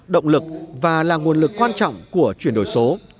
động lực và là nguồn lực quan trọng của chuyển đổi số